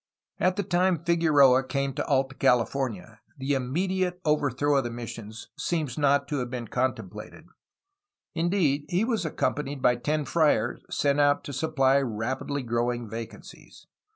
At the time Figueroa came to Alta California the imme diate overthrow of the missions seems not to have been con templated. Indeed, he was accompanied by ten friars, sent out to supply rapidly growing vacancies.